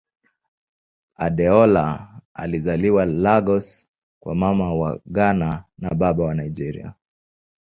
Adeola alizaliwa Lagos kwa Mama wa Ghana na Baba wa Nigeria.